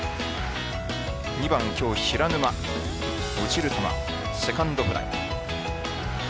２番きょう平沼、落ちる球セカンドフライ。